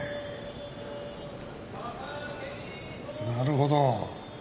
なるほど。